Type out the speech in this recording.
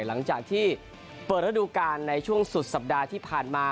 หลังจากที่เปิดระดูการในช่วงสุดสัปดาห์ที่ผ่านมา